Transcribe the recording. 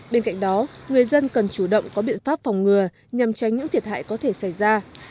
bên cạnh đó người dân cần chủ động có biện pháp phòng ngừa nhằm tránh những thiệt hại có thể xảy ra